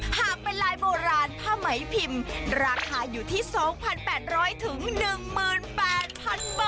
หากเป็นลายโบราณผ้าไหมพิมพ์ราคาอยู่ที่๒๘๐๐๑๘๐๐๐บาท